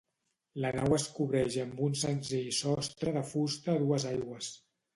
La nau es cobreix amb un senzill sostre de fusta a dues aigües.